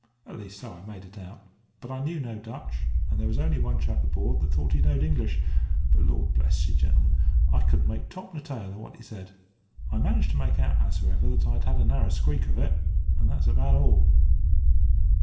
"At least so I made it out; but I knew no Dutch, and there was only one chap aboard that thought he knowed English; but Lord bless ye, gentlemen, I couldn't make top nor tail of what he said. I managed to make out hows'ever that I'd had a narrow squeak of it, and that's about all.